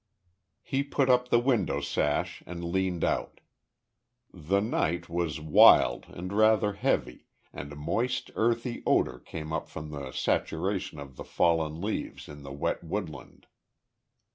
He put up the window sash and leaned out. The night, was wild and rather heavy, and a moist earthy odour came up from the saturation of the fallen leaves in the wet woodland.